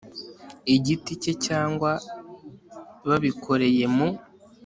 giti cye cyangwa babikoreye mu